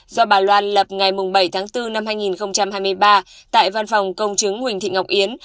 do bà loan lập ngày bảy tháng bốn năm hai nghìn hai mươi ba tại văn phòng công chứng huỳnh thị ngọc yến